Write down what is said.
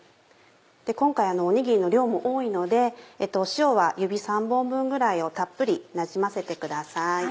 今回おにぎりの量も多いので塩は指３本分ぐらいをたっぷりなじませてください。